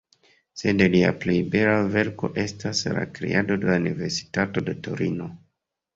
Sed lia plej bela verko estas la kreado de la universitato de Torino.